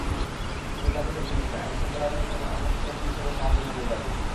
শুধু ব্রাজিলের পুলিশ নয়, আইনশৃঙ্খলা নিয়ন্ত্রণে অন্য দেশের পুলিশেরও সাহায্য নেবে ব্রাজিল।